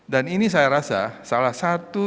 dan ini saya rasa salah satu